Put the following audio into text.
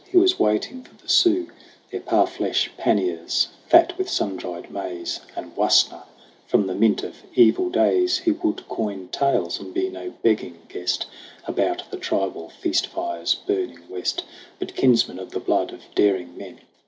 He was waiting for the Sioux, Their parfleche panniers fat with sun dried maize And wasna ! From the mint of evil days He would coin tales and be no begging guest About the tribal feast fires burning west, But kinsman of the blood of daring men.